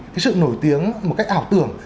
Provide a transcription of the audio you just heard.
cái sự nổi tiếng một cách ảo tưởng